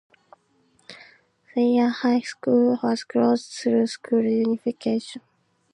Thayer High School was closed through school unification.